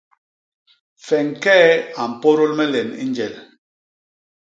Feñkee a mpôdôl me len i njel.